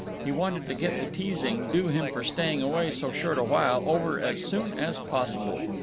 He wanted to get the teasing, due him for staying away so short a time, over as soon as possible.